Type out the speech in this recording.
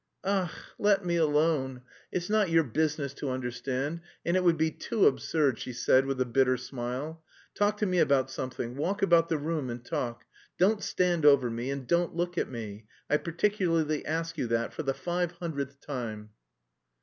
"Ach, let me alone; it's not your business to understand. And it would be too absurd..." she said with a bitter smile. "Talk to me about something. Walk about the room and talk. Don't stand over me and don't look at me, I particularly ask you that for the five hundredth time!"